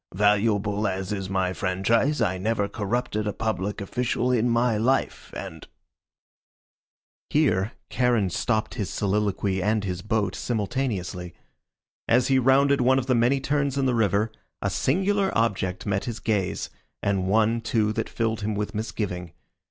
Valuable as is my franchise, I never corrupted a public official in my life, and " Here Charon stopped his soliloquy and his boat simultaneously. As he rounded one of the many turns in the river a singular object met his gaze, and one, too, that filled him with misgiving.